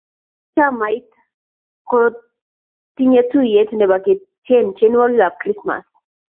Biik ab chamait ko yiyay tuyet nebo ketien tienwokik ab krismas